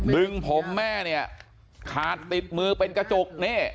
ดึงผมแม่ขาดติดมือเป็นกระจก